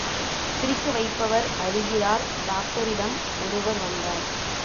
சிரிக்கவைப்பவர் அழுகிறார் டாக்டரிடம் ஒருவர் வந்தார்.